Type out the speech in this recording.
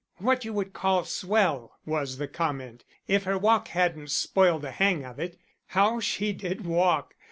"What you would call 'swell,'" was the comment, "if her walk hadn't spoiled the hang of it. How she did walk!